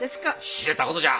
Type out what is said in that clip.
知れたことじゃ。